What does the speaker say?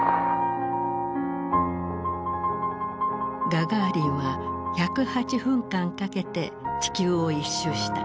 ガガーリンは１０８分間かけて地球を一周した。